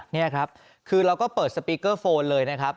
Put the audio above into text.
นี่ครับคือเราก็เปิดสปีกเกอร์โฟนเลยนะครับ